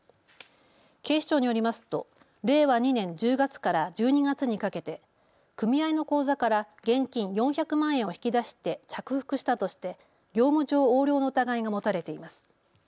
警視庁によりますと令和２年１０月から１２月にかけて、組合の口座から現金４００万円を引き出して着服したとして業務上横領の疑いが持たれています。